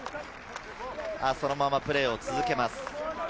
そのままプレーを続けます。